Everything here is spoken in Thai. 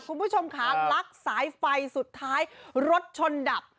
คุณผู้ชมค่ะลักสายไฟสุดท้ายรถชนดับ